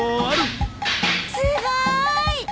すごーい！